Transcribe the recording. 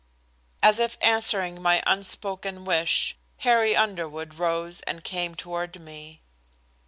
As if answering my unspoken wish, Harry Underwood rose and came toward me.